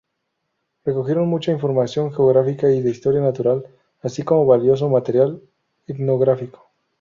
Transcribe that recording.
Recogieron mucha información geográfica y de historia natural, así como valioso material etnográfico.